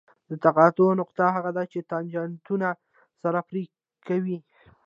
د تقاطع نقطه هغه ده چې تانجانتونه سره پرې کوي